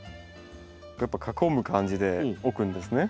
やっぱ囲む感じで置くんですね。